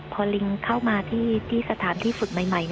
พอลิงเข้ามาที่สถานที่ฝึกใหม่